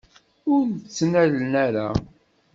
Ur tt-ttnalen ara.